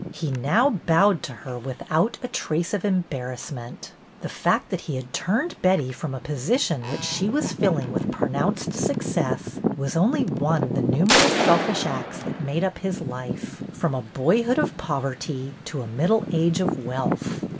He now bowed to her without a trace of embarrassment. The fact that he had turned Betty from a position which she was filling with pronounced success was only one of the numerous selfish acts that made up his life, from a boyhood of poverty to a middle age of wealth.